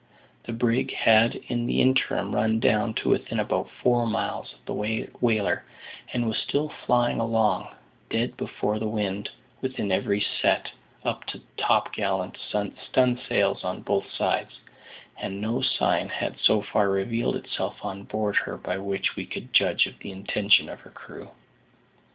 The brig had in the interim run down to within about four miles of the whaler, and was still flying along, dead before the wind, with everything set, up to topgallant stunsails on both sides; and no sign had so far revealed itself on board her by which we could judge of the intention of her crew.